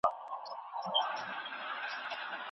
زده کوونکي په صنف کي ناست دي.